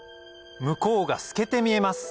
向こうが透けて見えます